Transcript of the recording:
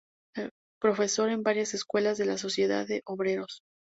Profesor en varias escuelas de la sociedad de Obreros.